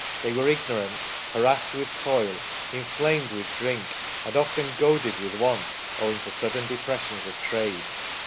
They were ignorant, harassed with toil, inflamed with drink, and often goaded with want, owing to sudden depressions of trade."